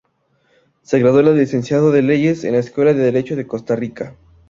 Se graduó de Licenciado en Leyes en la Escuela de Derecho de Costa Rica.